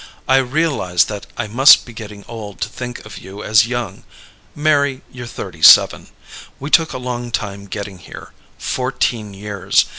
I realize that I must be getting old to think of you as young. Mary, you're thirty seven. We took a long time getting here. Fourteen years.